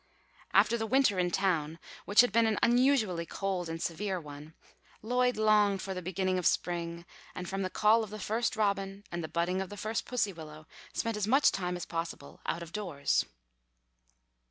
After the winter in town, which had been an unusually cold and severe one, Lloyd longed for the beginning of spring, and from the call of the first robin and the budding of the first pussy willow, spent as much time as possible out of doors.